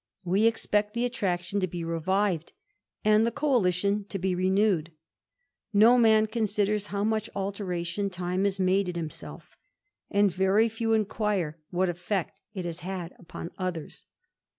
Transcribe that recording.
We the attraction to be revived, and the coalition to be d ; no man considers how much alteration time has n himself, and very few inquire what effect it has had Dthers.